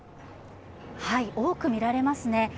多く見られますね。